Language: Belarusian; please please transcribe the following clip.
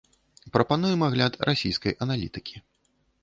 Прапануем агляд расійскай аналітыкі.